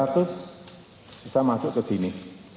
bisa masuk ke sini